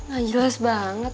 gak jelas banget